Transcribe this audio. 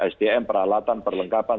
sdm peralatan perlengkapan